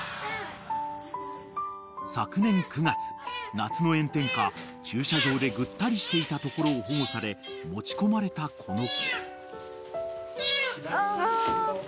［昨年９月夏の炎天下駐車場でぐったりしていたところを保護され持ち込まれたこの子］